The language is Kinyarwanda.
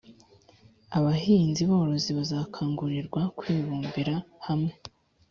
abahinzi borozi bazakangurirwa kwibumbira hamwe.